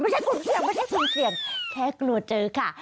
ไม่ใช่คุณเสียงแค่กลัวเจอค่ะ